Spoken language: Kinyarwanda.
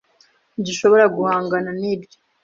Ntidushobora guhangana nibyo.